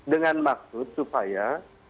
dengan maksud supaya